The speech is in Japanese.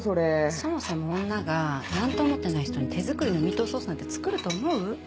そもそも女が何とも思ってない人に手作りのミートソースなんて作ると思う？